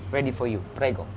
siap untuk anda prego